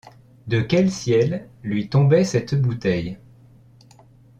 De quel ciel lui tombait cette bouteille ?